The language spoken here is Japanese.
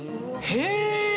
へえ！